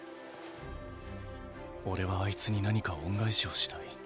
俺はあいつに何か恩返しをしたい。